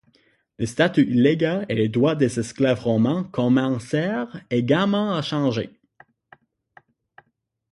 Le statut légal et les droits des esclaves romains commencèrent également à changer.